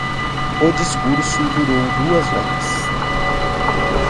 O discurso durou duas horas